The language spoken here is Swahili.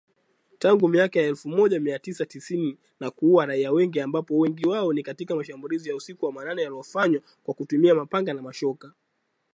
Tangu miaka ya elfu Moja Mia tisa tisini na kuua raia wengi ambapo wengi wao ni katika mashambulizi ya usiku wa manane yaliyofanywa kwa kutumia mapanga na mashoka .